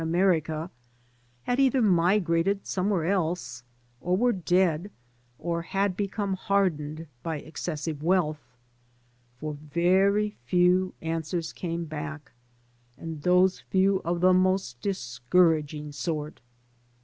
America had either migrated somewhere else, or were dead or had become hardened by excessive wealth; for very few answers came back and those few of the most dis couraging sort.